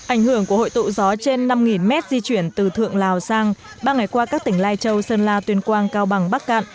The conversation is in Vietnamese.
ảnh hưởng của hội tụ gió trên năm mét di chuyển từ thượng lào sang ba ngày qua các tỉnh lai châu sơn la tuyên quang cao bằng bắc cạn